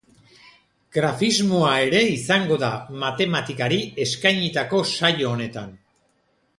Grafismoa ere izango da matematikari eskainitako saio honetan.